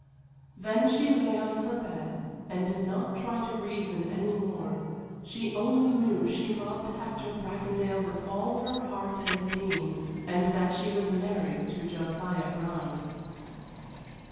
Then she lay on her bed and did not try to reason any more; she only knew she loved Hector Bracondale with all her heart and being, and that she was married to Josiah Brown.